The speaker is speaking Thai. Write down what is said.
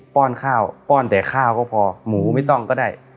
้อนข้าวป้อนแต่ข้าวก็พอหมูไม่ต้องก็ได้